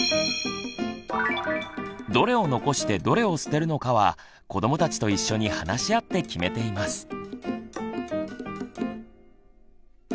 どれを残してどれを捨てるのかは子どもたちと一緒に話し合って決めています。